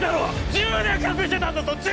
１０年隠してたんだぞ１０年！